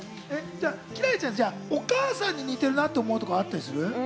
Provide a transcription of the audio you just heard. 輝星ちゃん、お母さんに似てるなって思うところはあったりする？